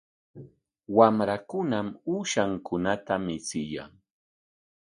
Wamrankunam uushankunata michiyan.